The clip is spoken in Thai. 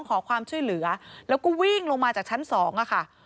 ขอความช่วยเหลือแล้วก็วิ่งลงมาจากชั้น๒ค่ะ